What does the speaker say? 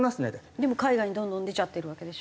でも海外にどんどん出ちゃってるわけでしょ？